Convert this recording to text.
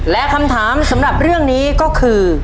และคำถามสำหรับเรื่องนี้ก็คือ